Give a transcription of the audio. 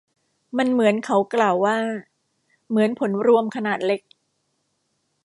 มันเหมือนเขากล่าวว่า เหมือนผลรวมขนาดเล็ก